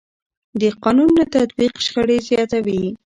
د قانون نه تطبیق شخړې زیاتوي